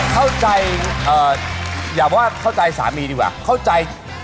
เคยจับไหมครับประแจรู้จักประแจไหม